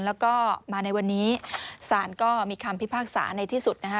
แล้วก็มาในวันนี้ศาลก็มีคำพิพากษาในที่สุดนะคะ